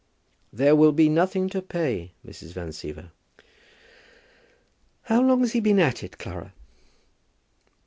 "There will be nothing to pay, Mrs. Van Siever." "How long has he been at it, Clara?"